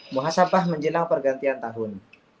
muha sabah menjelang pergantian tahun